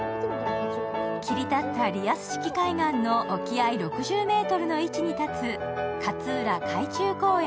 切り立ったリアス式海岸の沖合６０ｍの位置に立つ勝浦海中公園